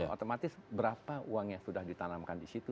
otomatis berapa uang yang sudah ditanamkan di situ